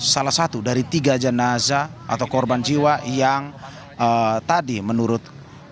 salah satu dari tiga jenazah atau korban jiwa yang tadi menurut